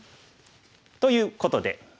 ということで。